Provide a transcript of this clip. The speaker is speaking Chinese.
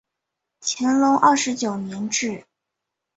乾隆二十九年置。